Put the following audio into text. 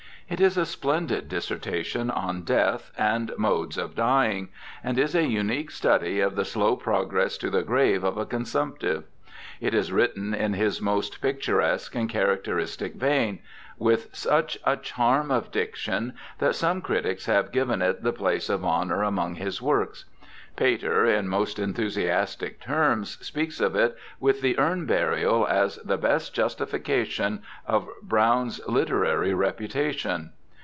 It is a splendid dissertation on death and modes of dying, and is a unique study of the slow progress to the grave of a consumptive. It is written in his most picturesque and characteristic vein, with such a charm of diction that some critics have given it the place of honour among his works. Pater, in most enthusiastic terms, speaks of it with the Urn Burial as 'the best justification of Browne's literary reputation